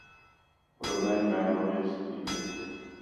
Podobné jméno jest Ingrid.